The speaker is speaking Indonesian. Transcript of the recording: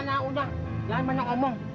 nah udah jangan banyak omong